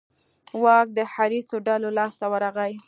واک د حریصو ډلو لاس ته ورغی.